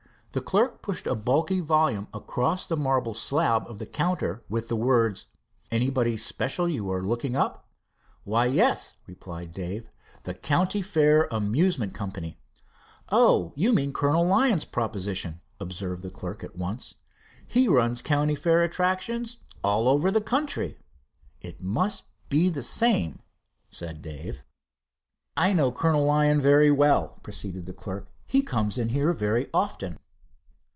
The clerk pushed a bulky volume across the marble slab of the counter, with the words: "Anybody special you are looking up?" "Why, yes," replied Dave, "the County Fair Amusement Co." "Oh, you mean Col. Lyon's proposition," observed the clerk at once. "He runs county fair attractions all over the country." "It must be the same," said Dave. "I know Col. Lyon very well," proceeded the clerk. "He comes in here very often."